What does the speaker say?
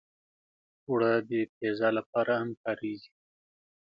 اوړه د پیزا لپاره هم کارېږي